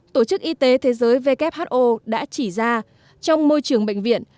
tổ chức y tế thế giới who đã chỉ ra trong môi trường bệnh viện